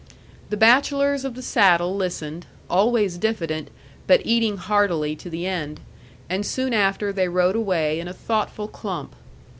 The bachelors of the saddle listened, always diffident, but eating heartily to the end; and soon after they rode away in a thoughtful clump.